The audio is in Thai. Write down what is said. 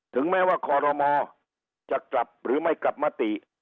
ถึงแม้ว่าคอรมอจะกลับหรือไม่กลับมติ